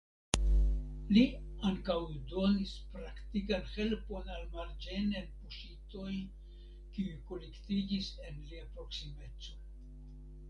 Li ankaŭ donis praktikan helpon al marĝenen puŝitoj kiuj kolektiĝis en lia proksimeco.